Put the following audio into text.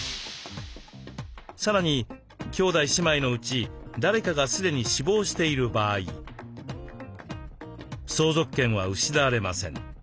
さらに兄弟姉妹のうち誰かが既に死亡している場合相続権は失われません。